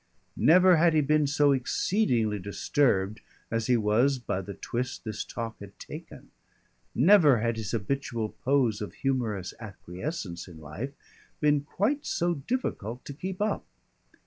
Never had he been so exceedingly disturbed as he was by the twist this talk had taken. Never had his habitual pose of humorous acquiescence in life been quite so difficult to keep up.